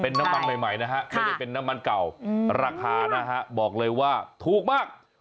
น้ำมันใหม่นะฮะไม่ได้เป็นน้ำมันเก่าราคานะฮะบอกเลยว่าถูกมาก